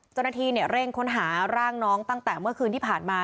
เจ้าหน้าที่เร่งค้นหาร่างน้องตั้งแต่เมื่อคืนที่ผ่านมา